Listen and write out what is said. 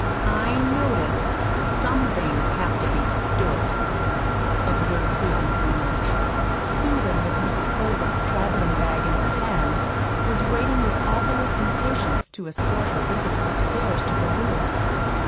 "I notice some things have to be stood," observed Susan grimly. Susan, with Mrs. Colebrook's traveling bag in her hand, was waiting with obvious impatience to escort her visitor upstairs to her room.